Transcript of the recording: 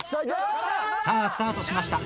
さあスタートしました。